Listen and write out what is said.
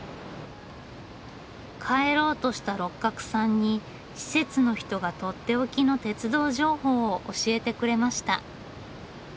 帰ろうとした六角さんに施設の人がとっておきの鉄道情報を教えてくれました。